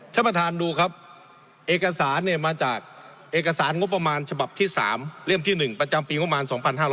ท่านประธานดูครับเอกสารเนี่ยมาจากเอกสารงบประมาณฉบับที่๓เล่มที่๑ประจำปีงบประมาณ๒๕๖๐